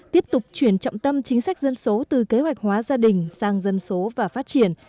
tiếp tục chuyển trọng tâm chính sách dân số từ kế hoạch hóa gia đình sang dân số và phát triển